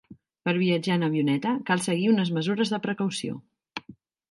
Per viatjar en avioneta, cal seguir unes mesures de precaució.